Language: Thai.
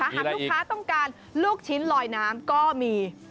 หากลูกค้าต้องการลูกชิ้นลอยน้ำก็มี